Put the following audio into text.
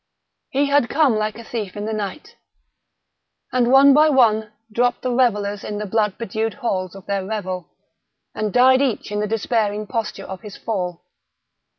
He had come like a thief in the night. And one by one dropped the revellers in the blood bedewed halls of their revel, and died each in the despairing posture of his fall.